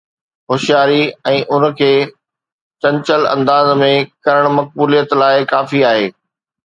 هوشياري ۽ ان کي چنچل انداز ۾ ڪرڻ مقبوليت لاءِ ڪافي آهي.